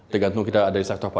tergantung kita ada di sektor apa